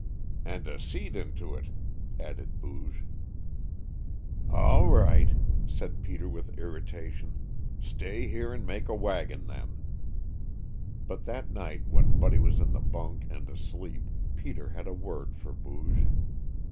"And a seat into it," added Booge. "All right," said Peter with irritation, "stay here and make a wagon, then," but that night when Buddy was in the bunk and asleep, Peter had a word for Booge.